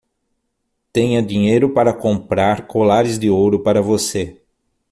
Tenha dinheiro para comprar colares de ouro para você